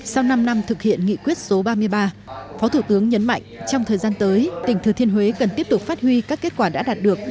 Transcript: sau năm năm thực hiện nghị quyết số ba mươi ba phó thủ tướng nhấn mạnh trong thời gian tới tỉnh thừa thiên huế cần tiếp tục phát huy các kết quả đã đạt được